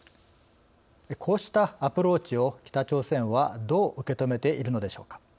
こうしたアプローチを北朝鮮はどう受け止めているのでしょうか。